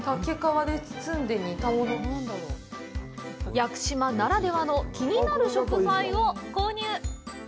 屋久島ならではの気になる食材を購入！